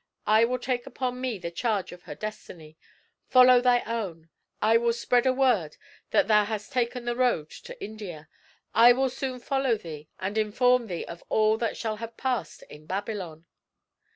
I will take upon me the charge of her destiny; follow thy own. I will spread a report that thou hast taken the road to India. I will soon follow thee, and inform thee of all that shall have passed in Babylon."